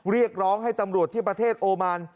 เรียกร้องให้ตำรวจที่ประเทศโอมาน